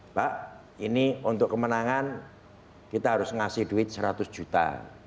mbak ini untuk kemenangan kita harus ngasih duit seratus juta